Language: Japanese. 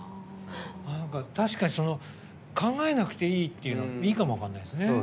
確かに考えなくていいっていうのもいいかも分かんないですね。